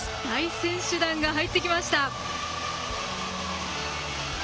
大選手団が入ってきました。